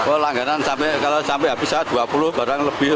oh langganan sampai habis dua puluh barang lebih